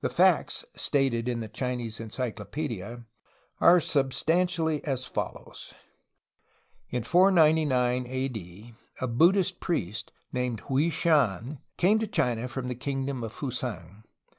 The facts stated in the Chinese encyclo pedia are substantially as follows : In 499 A. D. a Buddhist priest, named Hwui Shan, came to China from the kingdom of Fusang.